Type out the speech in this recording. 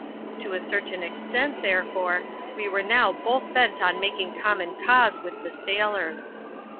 To a certain extent, there fore, we were now both bent on making common cause with the sailors.